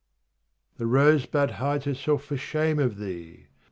61 The rosebud hides herself for shame of Thee